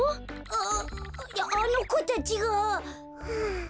あいやあのこたちが。